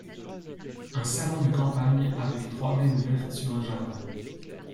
Un salon de campagne, avec trois baies ouvertes sur un jardin.